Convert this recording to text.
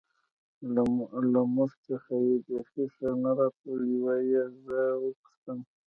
له موږ څخه یې بېخي ښه نه راتلل، یوه یې زه و پوښتم.